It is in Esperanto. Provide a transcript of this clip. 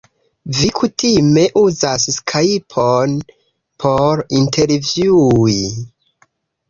Vi kutime uzas skajpon por intervjui...?